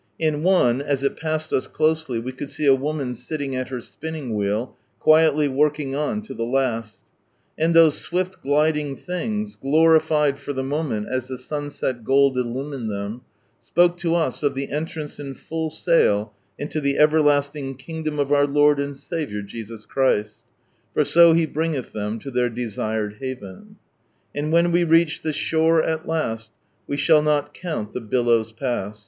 In i one, as it passed us closely we could see a woman sitting at her spinning wheel, quietly working on to the last And those swift gHding things, glorified for the mo ment as the sunset gold illumined them, spoke to us of " the entrance in full sail into the everlasting kingdom of our Lord and Saviour Jesus Christ," For so He bringelh them to their desired haven. "And wki» Till reach the shore al last iVe shall nol counl Iht hHlsws fail."